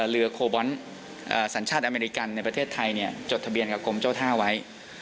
เรือโคบอลสัญชาติอเมริกันในประเทศไทยจดทะเบียนกับกรมเจ้าท่าไว้